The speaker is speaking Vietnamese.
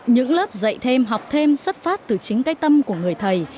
những lớp dạy thêm học thêm xuất phát từ chính cái tâm của người thầy